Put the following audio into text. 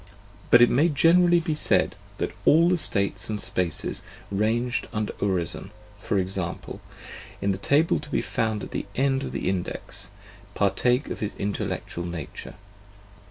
But it may generally be said that all the States and Spaces ranged under Urizen, for example, in the table to be found at the end of the Index, par take of his intellectual nature.